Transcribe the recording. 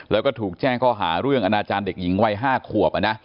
แล้วก็ถูกแจ้งข้อหาเรื่องอนาจารย์เด็กหญิงวัย๕ขวบ